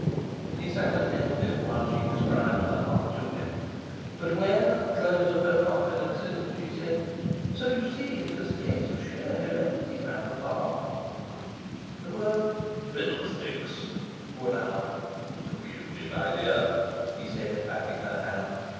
He sat attentive while she described her heart to him. But when, at the close of her confidences, she said, "So you see it's a case of sheer heredity, grand papa," the word "Fiddlesticks!" would out. "Forgive me, my dear," he said, patting her hand.